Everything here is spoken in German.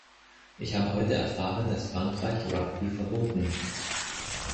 Ich habe heute erfahren, dass Frankreich Rugby verboten hat.